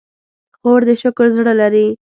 خور د شکر زړه لري.